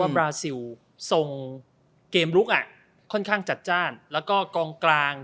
บราซิลส่งเกมลุกอ่ะค่อนข้างจัดจ้านแล้วก็กองกลาง